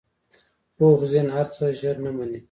پوخ ذهن هر څه ژر نه منې